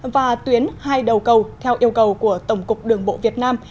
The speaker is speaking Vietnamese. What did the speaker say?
và tuyến hai đầu cầu theo yêu cầu của tổng cục đường bộ việt nam